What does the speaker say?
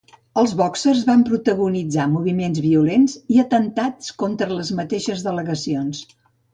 Els bòxers van protagonitzar moviments violents i atemptats contra les mateixes delegacions.